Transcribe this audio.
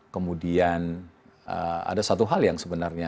kemudian ada satu hal yang sebenarnya